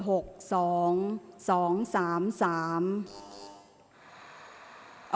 ออกรางวัลที่๖เลขที่๗